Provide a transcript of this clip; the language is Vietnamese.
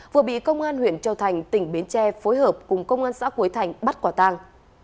vừa bị công an huyện châu thành tỉnh bến tre phối hợp cùng công an xã quế thành bắt quả tang